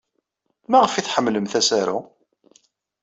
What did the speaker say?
Maɣef ay tḥemmlemt asaru?